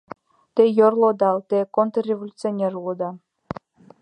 — Те йорло одал, те контрреволюционер улыда!